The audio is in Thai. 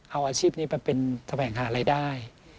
เอาอาชีพนี้ไปเป็นแสวงหารายได้